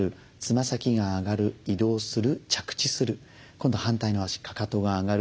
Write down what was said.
今度反対の足かかとが上がる。